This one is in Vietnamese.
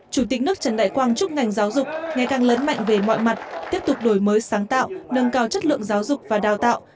chủ tịch nước trần đại quang chúc ngành giáo dục ngày càng lớn mạnh về mọi mặt tiếp tục đổi mới sáng tạo nâng cao chất lượng giáo dục và đào tạo